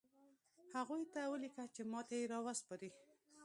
هغوی ته ولیکه چې ماته یې راوسپاري